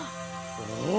おお！